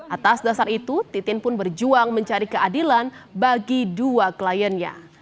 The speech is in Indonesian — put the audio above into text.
atas dasar itu titin pun berjuang mencari keadilan bagi dua kliennya